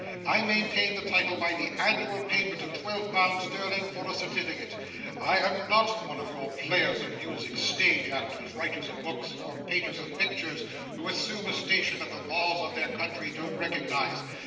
I maintain the title by the annual payment of twelve pound sterling for a certificate. I am not one of your players of music, stage actors, writers of books, or painters of pictures, who assume a station that the laws of their country don't recognise.